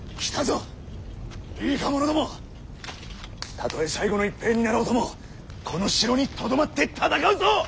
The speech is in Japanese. たとえ最後の一兵になろうともこの城にとどまって戦うぞ！